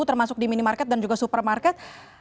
termasuk di minimarket dan juga supermarket